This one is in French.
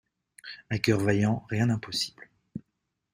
A coeur vaillant, rien d'impossible